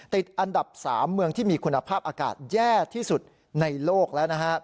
ติดอันดับ๓เมืองที่มีคุณภาพอากาศแย่ที่สุดในโลกแล้วนะฮะ